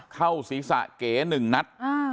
เข้าศรีสะเก๋๑นัท